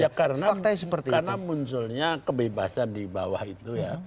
ya karena munculnya kebebasan di bawah itu ya